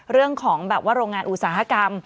เรื่องของแบบว่าโรงงานอุตสาหกรรม